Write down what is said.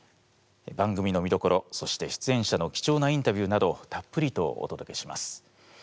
番組の見どころそして出演者の貴重なインタビューなどたっぷりとおとどけします。